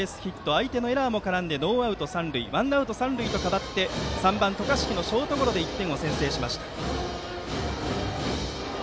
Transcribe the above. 相手のエラーも絡んでノーアウト三塁からワンアウト三塁と変わって３番、渡嘉敷のショートゴロで１点を先制しました。